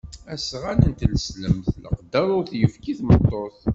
Asɣan n tneslemt leqder ur t-yefki i tmeṭṭut.